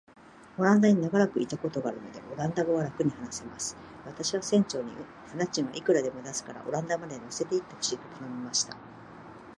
オランダに長らくいたことがあるので、オランダ語はらくに話せます。私は船長に、船賃はいくらでも出すから、オランダまで乗せて行ってほしいと頼みました。